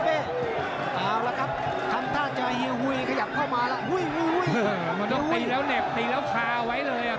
เอาละครับทำท่าจะเฮียวขยับเข้ามาล่ะ